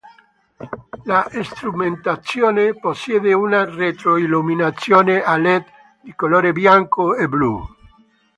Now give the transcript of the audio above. La strumentazione possiede una retroilluminazione a Led di colore bianco e blu.